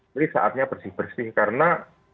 saatnya bersih bersih karena